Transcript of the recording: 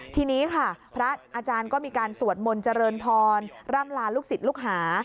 ทีนี้ค่ะพระอาจารย์ก็มีการสวดมนต์เจริญพรร่ำลาลูกศิษย์ลูกหา